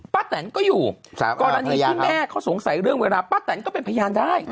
แตนก็อยู่กรณีที่แม่เขาสงสัยเรื่องเวลาป้าแตนก็เป็นพยานได้